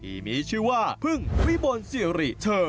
ที่มีชื่อว่าพึ่งพริบนซีรีส์เธอ